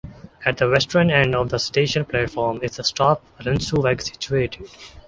At the western end of the station platforms is the stop Parnassusweg situated.